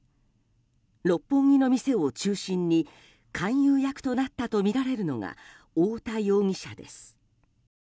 六本木の店を中心に勧誘役となったとみられるのが太田容疑者です。